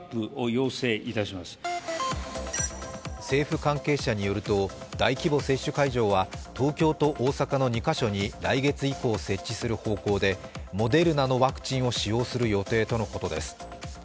政府関係者によると、大規模接種会場は東京と大阪の２カ所に来月以降設置する意向でモデルナのワクチンを使用する予定とのことです。